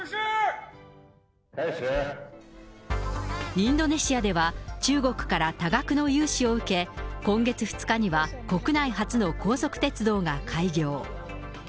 インドネシアでは、中国から多額の融資を受け、今月２日には国内初の高速鉄道が開業。